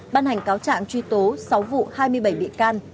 ban hành cáo trạng truy tố sáu vụ hai mươi bảy bị can